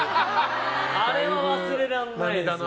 あれは忘れられないです。